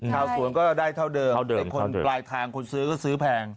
ชาวสวนก็ได้เท่าเดิมแต่คนปลายทางคนซื้อก็ซื้อแพง